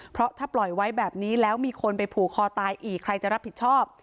เพราะถ้าปล่อยไว้แบบนี้แล้วมีคนไปผูกคอตายอีกใครจะรับผิดชอบ